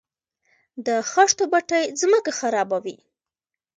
د خښتو بټۍ ځمکه خرابوي؟